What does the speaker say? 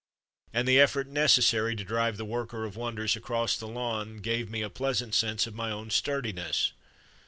And the effort necessary to drive the worker of wonders across the lawn gave me a pleasant sense of my own sturdiness.